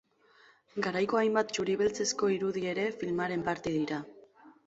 Garaiko hainbat txuri-beltzezko irudi ere filmaren parte dira.